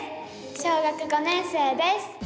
小学５年生です。